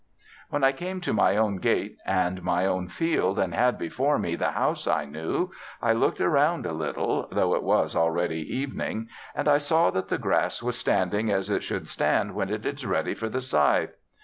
When I came to my own gate and my own field, and had before me the house I knew, I looked around a little (though it was already evening), and I saw that the grass was standing as it should stand when it is ready for the scythe.